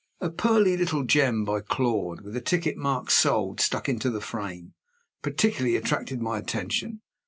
A "pearly little gem," by Claude, with a ticket marked "Sold" stuck into the frame, particularly attracted my attention.